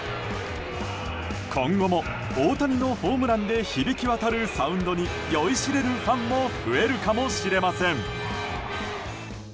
今後も、大谷のホームランで響き渡るサウンドに酔いしれるファンも増えるかもしれません。